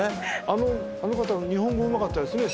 あの方日本語うまかったですね。